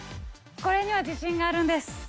これには自信があるんです！